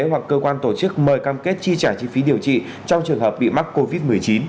hoặc cơ quan tổ chức mời cam kết chi trả chi phí điều trị trong trường hợp bị mắc covid một mươi chín